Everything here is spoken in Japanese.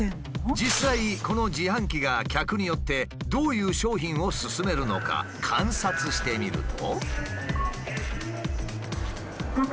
実際この自販機が客によってどういう商品を勧めるのか観察してみると。